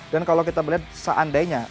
dan kalau kita melihat seandainya